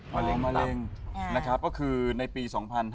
มะเร็งมะเร็งนะครับก็คือในปี๒๕๕๙